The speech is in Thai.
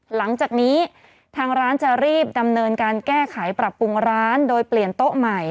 หลังจากนี้ทางร้านจะรีบดำเนินการแก้ไขปรับปรุงร้านโดยเปลี่ยนโต๊ะใหม่